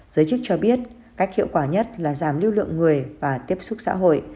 giới chức cho biết cách hiệu quả nhất là giảm lưu lượng người và tiếp xúc xã hội